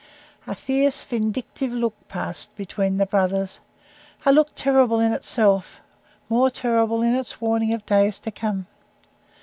A fierce, vindictive look passed between the brothers a look terrible in itself more terrible in its warning of days to come.